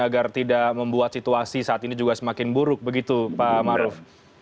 agar tidak membuat situasi saat ini juga semakin buruk begitu pak maruf